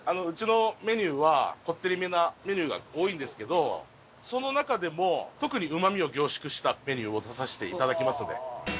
うちのメニューはこってりめなメニューが多いんですけどその中でも特にうまみを凝縮したメニューを出させていただきますので。